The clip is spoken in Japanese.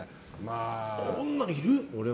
こんなにいる？